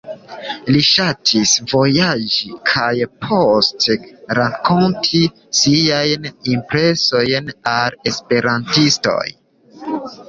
Li ŝatis vojaĝi kaj poste rakonti siajn impresojn al esperantistoj.